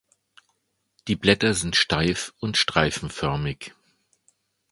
Die Blätter sind steif und streifenförmig.